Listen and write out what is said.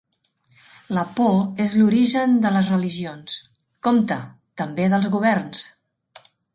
La por és l'origen de les religions. Compte: també dels governs!